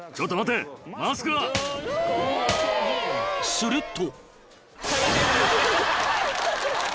［すると］